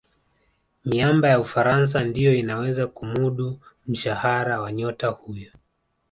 miamba ya ufaransa ndiyo inaweza kumudu mshahara wa nyota huyo